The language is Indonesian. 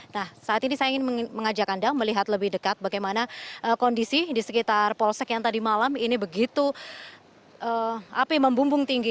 nah saat ini saya ingin mengajak anda melihat lebih dekat bagaimana kondisi di sekitar polsek yang tadi malam ini begitu api membumbung tinggi